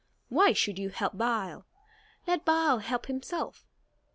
Why should you help Baal? Let Baal help himself."